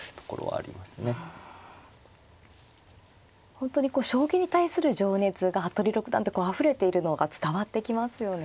本当にこう将棋に対する情熱が服部六段ってこうあふれているのが伝わってきますよね。